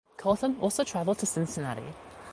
Colton also traveled to Cincinnati.